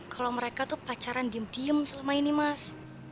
kalau mereka tuh pacaran diem diem selama ini mas